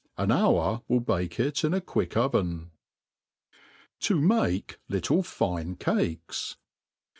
An hour will b^e it in a quick oven. » 7i make little fine Cakes.